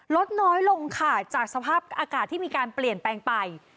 ลดน้อยลงค่ะจากสภาพอากาศที่มีการเปลี่ยนแปลงไป